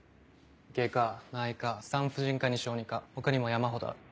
外科内科産婦人科に小児科他にも山ほどある。